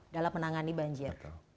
dalam menangani banjir